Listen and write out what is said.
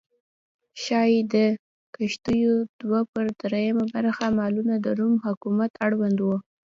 ښايي د کښتیو دوه پر درېیمه برخه مالونه د روم حکومت اړوند و